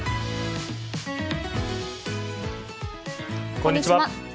こんにちは。